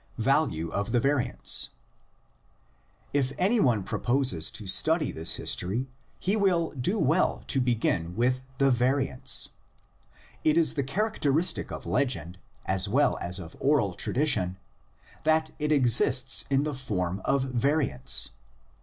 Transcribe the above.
VALUE OF THE VARIANTS. If any one proposes to study this history he will do well to begin with the variants. It is the char acteristic of legend as well as of oral tradition that it exists in the form of variants.